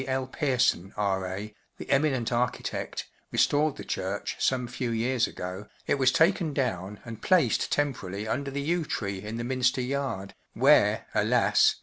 L, Pearson, R,A*, the eminent architect, restored the church some few years ago, it was taken down and placed tem¬ pt jrarily under the yew tree in the Minster yard, where, alas!